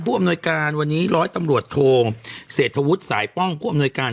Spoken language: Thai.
อำนวยการวันนี้ร้อยตำรวจโทเศรษฐวุฒิสายป้องผู้อำนวยการ